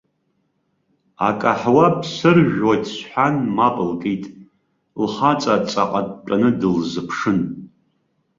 Акаҳуа бсыржәуеит сҳәан, мап лкит, лхаҵа ҵаҟа дтәаны дылзыԥшын.